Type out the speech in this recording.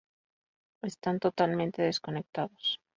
Están totalmente desconectados.